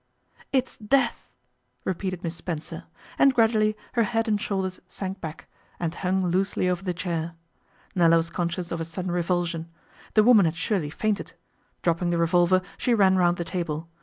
'It's death,' repeated Miss Spencer, and gradually her head and shoulders sank back, and hung loosely over the chair. Nella was conscious of a sudden revulsion. The woman had surely fainted. Dropping the revolver she ran round the table.